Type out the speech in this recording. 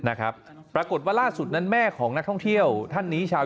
นะครับปรากฏว่าล่าสุดนั้นแม่ของนักท่องเที่ยวท่านนี้ชาว